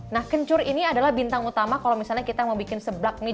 nah kencur ini adalah bintang utama kalau misalnya kita mau bikin seblak mie